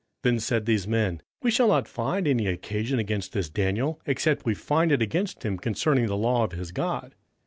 27:006:005 Then said these men, We shall not find any occasion against this Daniel, except we find it against him concerning the law of his God.